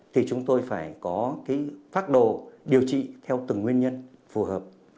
thì chúng tôi phải có cái phác đồ điều trị theo từng nguyên nhân phù hợp